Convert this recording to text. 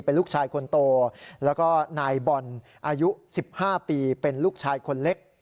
เป็นลูกชายคนโตแล้วก็นายบอลอายุ๑๕ปีเป็นลูกชายคนเล็ก